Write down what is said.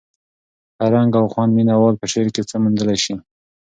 هر رنګ او خوند مینه وال په شعر کې څه موندلی شي.